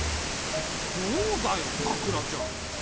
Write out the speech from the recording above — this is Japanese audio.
そうだよさくらちゃん。